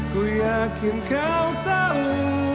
kuyakin kau tahu